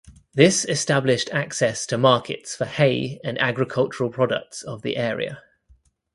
This established access to markets for hay and agricultural products of the area.